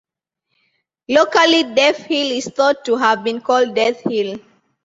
Locally Deaf Hill is thought to have been called Death Hill.